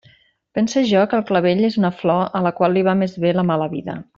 Pense jo que el clavell és una flor a la qual li va més bé la mala vida.